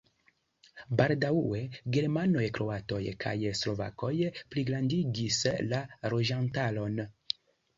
Baldaŭe germanoj, kroatoj kaj slovakoj pligrandigis la loĝantaron.